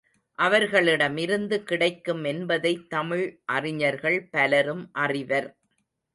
அவர்களிடமிருந்து கிடைக்கும் என்பதைத் தமிழ் அறிஞர்கள் பலரும் அறிவர்.